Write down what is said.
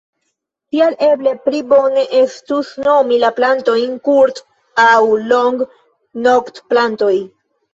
Tial eble pli bone estus nomi la plantojn kurt- aŭ long-noktplantoj.